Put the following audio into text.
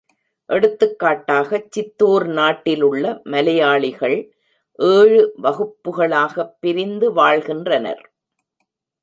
எடுத்துக்காட்டாகச் சித்தூர் நாட்டிலுள்ள மலையாளிகள் ஏழு வகுப்புகளாகப் பிரிந்து வாழ்கின்றனர்.